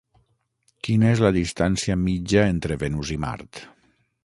Quina és la distància mitja entre Venus i Mart?